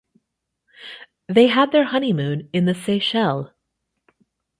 They had their honeymoon in the Seychelles.